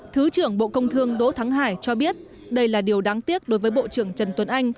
thứ trưởng bộ công thương đỗ thắng hải cho biết đây là điều đáng tiếc đối với bộ trưởng trần tuấn anh